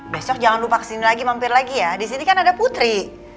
besok jangan lupa kesini lagi mampir lagi ya di sini kan ada putri